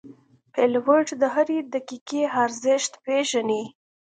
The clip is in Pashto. پیلوټ د هرې دقیقې ارزښت پېژني.